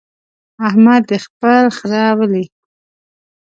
احمد دې خپل خره ولي.